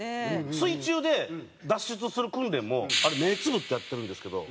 水中で脱出する訓練も目つぶってやってるんですけど。